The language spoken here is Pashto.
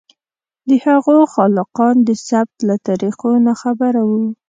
د هغو خالقان د ثبت له طریقو ناخبره وو.